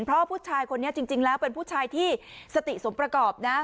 เพราะผู้ชายคนนี้จริงแล้วเป็นผู้ชายที่สติสมประกอบนะ